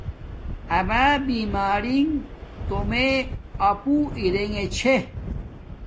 اما بیمارنݣ تومے اپو ارنگے چھے